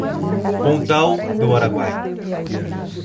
Pontal do Araguaia